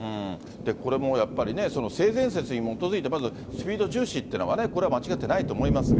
これもやっぱり、性善説に基づいて、まずはスピード重視っていうのはこれは間違ってないと思いますが。